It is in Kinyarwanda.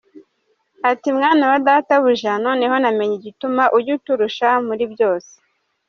Ati: “Mwana wa Databuja, noneho namenye igituma ujya uturusha muri byose.